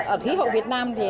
ở khí hậu việt nam thì thay đổi